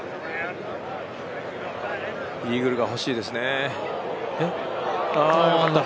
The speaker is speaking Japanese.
イーグルが欲しいですね。